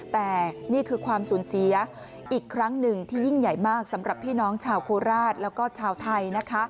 แต่ความสูญเสียอีกครั้งนึงที่ยิ่งใหญ่มากสำหรับพี่น้องชาวคู่ราชและชาวไทย